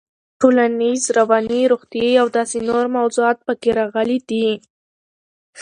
ټولنيز, رواني, روغتيايي او داسې نورو موضوعات پکې راغلي دي.